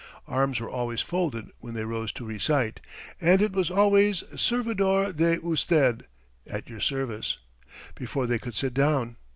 Arms were always folded when they rose to recite, and it was always 'Servidor de usted' at your service before they could sit down.